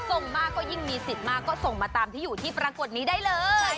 ส่งมากก็ยิ่งมีสิทธิ์มากก็ส่งมาตามที่อยู่ที่ปรากฏนี้ได้เลย